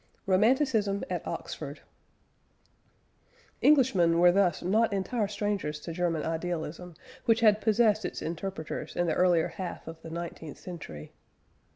ROMANTICISM AT OXFORD. Englishmen were thus not entire strangers to German idealism, which had possessed its interpreters in the earlier half of the nineteenth century.